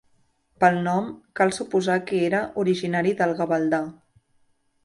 Pel nom, cal suposar que era originari del Gavaldà.